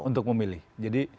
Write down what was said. untuk memilih jadi